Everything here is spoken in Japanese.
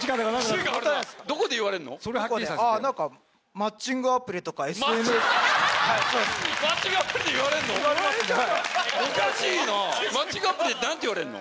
マッチングアプリで言われるの⁉